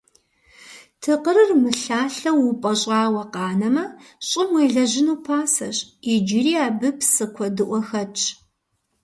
Тыкъырыр мылъалъэу упӀэщӀауэ къанэмэ, щӀым уелэжьыну пасэщ, иджыри абы псы куэдыӀуэ хэтщ.